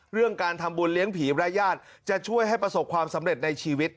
เรื่องการทำบุญเลี้ยงผีรายญาติจะช่วยให้ประสบความสำเร็จในชีวิต